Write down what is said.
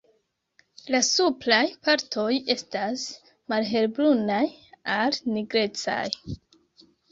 La supraj partoj estas malhelbrunaj al nigrecaj.